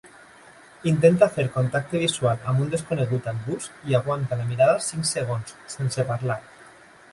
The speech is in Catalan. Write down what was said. Intenta fer contacte visual amb un desconegut al bus i aguanta la mirada cinc segons, sense parlar.